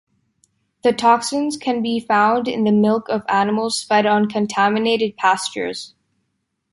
The toxin can be found in the milk of animals fed on contaminated pastures.